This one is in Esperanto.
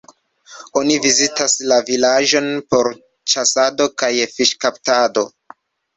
Oni vizitas la vilaĝon por ĉasado kaj fiŝkaptado.